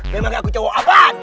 memang aku cowok abad